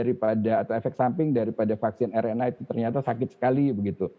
begitu tahu akibat tp atau efek samping daripada vaksin rna itu ternyata sakit sekali begitu